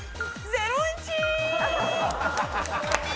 ゼロイチ！